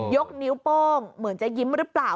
ยกนิ้วโป้งเหมือนจะยิ้มหรือเปล่า